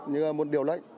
như môn điều lệnh